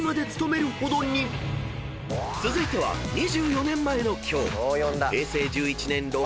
［続いては２４年前の今日］